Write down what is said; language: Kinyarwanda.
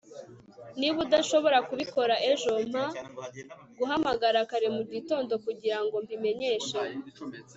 Niba udashobora kubikora ejo mpa guhamagara kare mugitondo kugirango mbimenyeshe